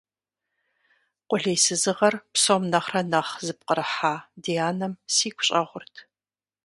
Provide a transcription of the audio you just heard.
Къулейсызыгъэр псом нэхърэ нэхъ зыпкърыхьа ди анэм сигу щӀэгъурт.